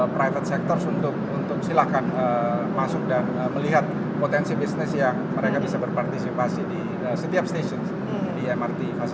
private sectors untuk silahkan masuk dan melihat potensi bisnis yang mereka bisa berpartisipasi di setiap stasiun di mrt fase